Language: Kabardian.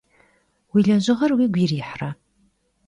Vui lejığer vuigu yirihre?